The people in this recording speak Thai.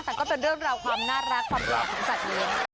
อาแต่ก็เป็นเรื่องราวความน่ารักความแบบสัดเย็น